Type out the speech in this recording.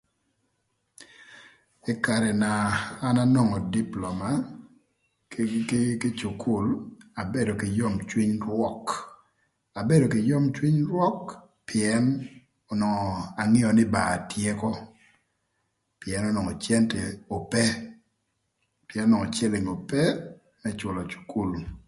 Ï karë na an anwongo Diploma kï cukul abedo kï yom cwiny rwök, abedo kï yom cwiny rwök, pïën onwongo angeo nï ba atyeko, pïën onwongo cente ope, pïën onwongo cïlïng ope më cülö cukul.